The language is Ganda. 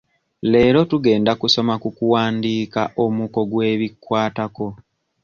Leero tugenda kusoma ku kuwandiika omuko gw'ebikkwatako.